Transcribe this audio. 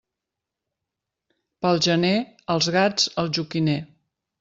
Pel gener els gats al joquiner.